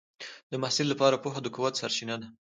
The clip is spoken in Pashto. د محصل لپاره پوهه د قوت سرچینه ده.